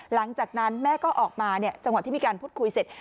หลังจากนั้นแม่ก็ออกมาจังหวะที่มีการพูดคุยเสร็จ